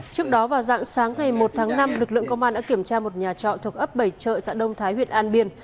trước đó vào dạng sáng ngày một tháng năm lực lượng công an đã kiểm tra một nhà trọ thuộc ấp bảy chợ xã đông thái huyện an biên